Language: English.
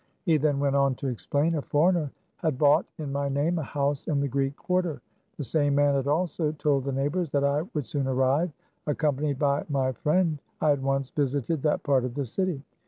He then went on to explain. A foreigner had bought, in my name, a house in the Greek Quarter. The same man had also told the neighbors that I would soon arrive. Accompanied by my friend I at once visited that part of the city.